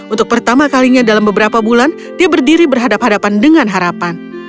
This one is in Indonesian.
untuk pertama kalinya dalam beberapa bulan dia berdiri berhadapan hadapan dengan harapan